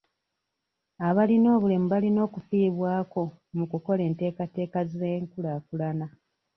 Abalina obulemu balina okufiibwako mu kukola enteekateeka z'enkulaakulana.